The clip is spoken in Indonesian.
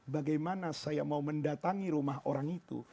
bagaimana saya mau mendatangi rumah orang itu